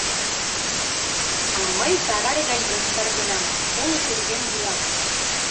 А мый тарай гай йошкаргенам, уло шӱргем йӱла.